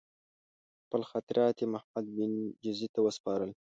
خپل خاطرات یې محمدبن جزي ته وسپارل.